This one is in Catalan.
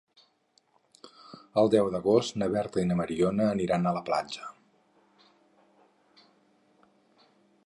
El deu d'agost na Berta i na Mariona aniran a la platja.